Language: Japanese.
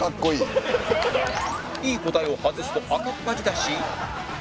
いい答えを外すと赤っ恥だし